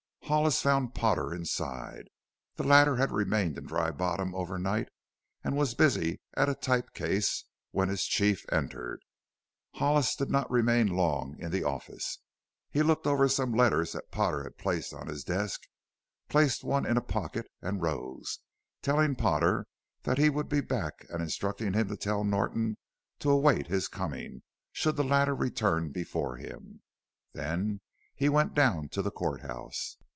Hollis found Potter inside. The latter had remained in Dry Bottom over night and was busy at a type case when his chief entered. Hollis did not remain long in the office. He looked over some letters that Potter had placed on his desk, placed one in a pocket and rose, telling Potter that he would be back and instructing him to tell Norton to await his coming should the latter return before him. Then he went down to the court house.